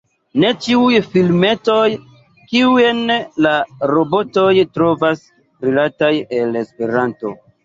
Ne ĉiuj filmetoj, kiujn la robotoj trovas, rilatas al Esperanto.